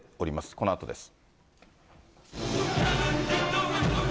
このあとです。